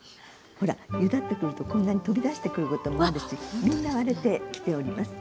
ほらゆだってくるとこんなに飛び出してくることもあるしみんな割れてきております。